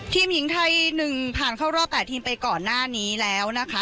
ทีมหญิงไทย๑ผ่านเข้ารอบ๘ทีมไปก่อนหน้านี้แล้วนะคะ